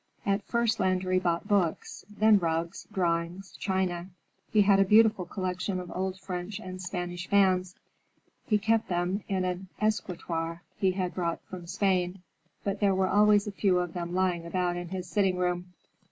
At first Landry bought books; then rugs, drawings, china. He had a beautiful collection of old French and Spanish fans. He kept them in an escritoire he had brought from Spain, but there were always a few of them lying about in his sitting room.